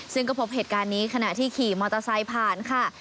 ซึ่งก็พบเหตุการณ์นี้ขณะที่ขี่มอเตอร์ไซค์ผ่านค่ะ